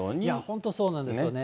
本当、そうなんですよね。